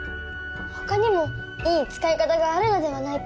ほかにもいい使い方があるのではないか？